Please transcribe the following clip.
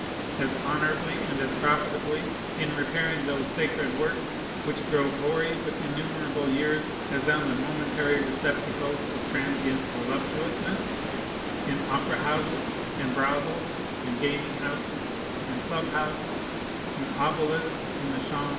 as honorably and as profitably in repairing those sacred works which grow hoary with innumerable years as on the momentary receptacles of transient voluptuousness, in opera houses, and brothels, and gaming houses, and club houses, and obelisks in the Champ de Mars?